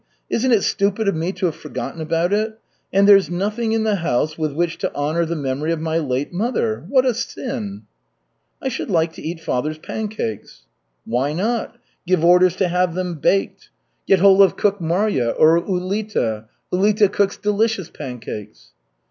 Isn't it stupid of me to have forgotten about it? And there's nothing in the house with which to honor the memory of my late mother. What a sin!" "I should like to eat father's pancakes." "Why not? Give orders to have them baked. Get hold of cook Marya or Ulita. Ulita cooks delicious pancakes."